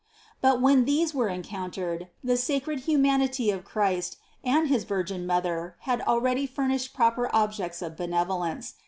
But when these were encountered, the sacred humanity of Christ and his Virgin Mother had al ready furnished proper objects of benevolence.